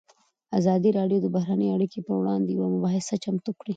ازادي راډیو د بهرنۍ اړیکې پر وړاندې یوه مباحثه چمتو کړې.